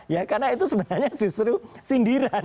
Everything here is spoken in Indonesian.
ya karena itu sebenarnya justru sindiran